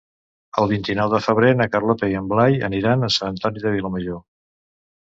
El vint-i-nou de febrer na Carlota i en Blai aniran a Sant Antoni de Vilamajor.